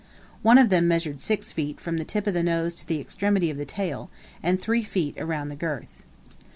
One of them measured six feet from the tip of the nose to the extremity of the tail, and three feet around the girth.